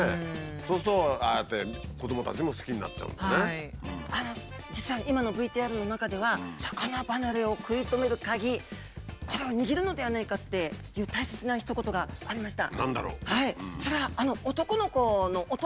そうするとああやって実は今のＶＴＲの中では魚離れを食い止めるカギこれを握るのではないかっていう大切なひと言がありました。